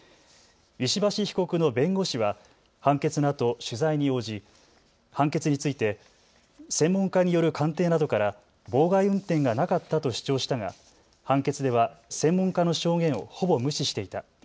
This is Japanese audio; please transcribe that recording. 石橋被告の弁護士は判決のあと取材に応じ、判決について専門家による鑑定などから妨害運転がなかったと主張したが判決では専門家の証言をほぼ無視していた。